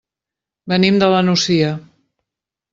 Venim de la Nucia.